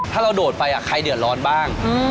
ถ้าเราโดดไปใครเดือดร้อนบ้าง